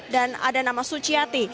dan ada nama suciati